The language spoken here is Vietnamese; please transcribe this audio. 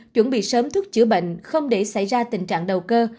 chuẩn bị sớm thuốc chữa bệnh không để xảy ra tình trạng đầu cơ